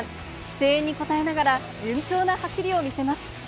声援に応えながら、順調な走りを見せます。